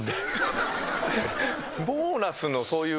ボーナスのそういうのが。